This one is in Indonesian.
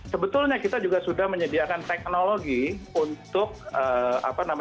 sebetulnya kita juga sudah menyediakan teknologi untuk driver bisa menghasilkan